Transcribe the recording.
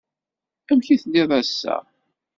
Amek i telliḍ ass-a?